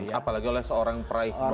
apalagi oleh seorang peraih nobel perdamaian